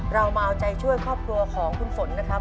เรามาเอาใจช่วยครอบครัวของคุณฝนนะครับ